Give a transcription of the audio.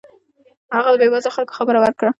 هغه د بې وزلو خلکو خبره وکړه.